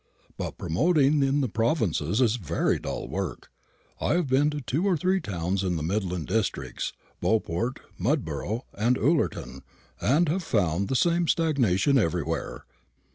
But promoting in the provinces is very dull work. I've been to two or three towns in the Midland districts Beauport, Mudborough, and Ullerton and have found the same stagnation everywhere."